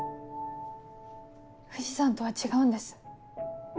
藤さんとは違うんです。